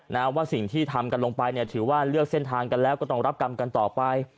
นะว่าสิ่งที่ทำกันลงไปเนี่ยถือว่าเลือกเส้นทางกันแล้วก็ต้องรับกรรมกันต่อไป